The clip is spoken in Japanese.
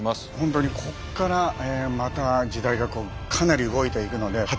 本当にここからまた時代がこうかなり動いていくので。